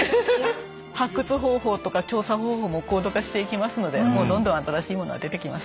発掘方法とか調査方法も高度化していきますのでもうどんどん新しいものは出てきます。